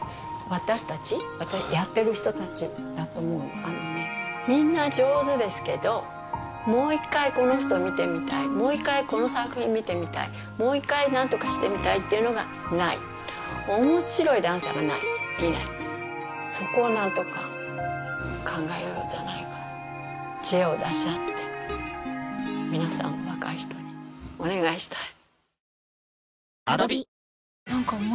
私たちやってる人たちだと思うのみんな上手ですけどもう一回この人見てみたいもう一回この作品見てみたいもう一回何とかしてみたいっていうのがないそこを何とか考えようじゃないか知恵を出し合って皆さん若い人にお願いしたい